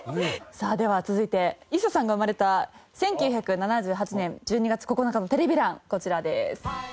さあでは続いてＩＳＳＡさんが生まれた１９７８年１２月９日のテレビ欄こちらです。